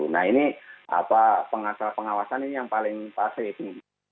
nah ini pengawasan pengawasan ini yang paling pasti